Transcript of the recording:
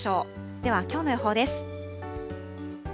ではきょうの予報です。